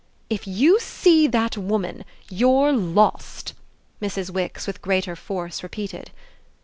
"If you see that woman you're lost!" Mrs. Wix with greater force repeated.